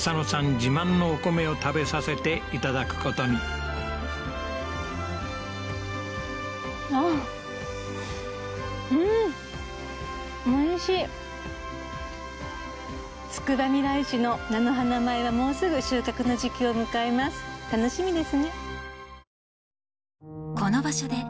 自慢のお米を食べさせていただくことにああっうんおいしいつくばみらい市の菜の花米はもうすぐ収穫の時期を迎えます